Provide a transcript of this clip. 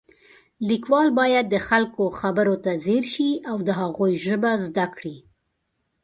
لیکوال باید د خلکو خبرو ته ځیر شي او د هغوی ژبه زده کړي